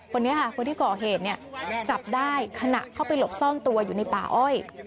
คนนี้ค่ะคนที่ก่อเหตุจับได้ขณะเข้าไปหลบซ่อนตัวอยู่ในป่าอ้อย